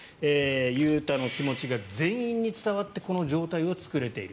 雄太の気持ちが全員に伝わってこの状態を作れている。